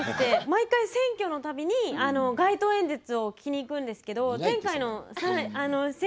毎回選挙の度に街頭演説を聞きに行くんですけどえっ？